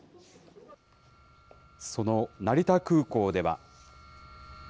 その成田空港では。